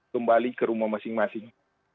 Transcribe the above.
kembali ke rumah masing masing